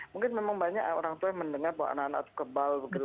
mungkin memang banyak orang tua yang mendengar bahwa anak anak itu kebal begitu